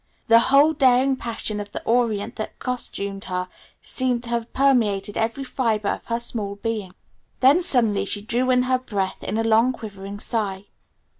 The whole daring passion of the Orient that costumed her seemed to have permeated every fiber of her small being. Then suddenly she drew in her breath in a long quivering sigh.